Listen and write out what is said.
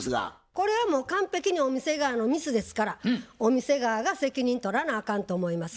これはもう完璧にお店側のミスですからお店側が責任取らなあかんと思います。